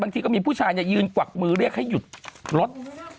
ทีก็มีผู้ชายยืนกวักมือเรียกให้หยุดรถ